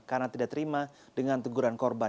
karena tidak terima dengan teguran korban